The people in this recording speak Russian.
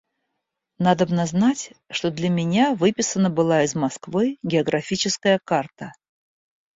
Надобно знать, что для меня выписана была из Москвы географическая карта.